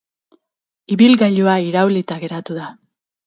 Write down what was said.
Ibilgailua iraulita geratu da.